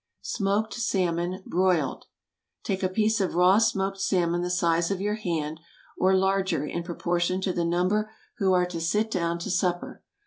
SMOKED SALMON. (Broiled.) Take a piece of raw smoked salmon the size of your hand, or larger in proportion to the number who are to sit down to supper.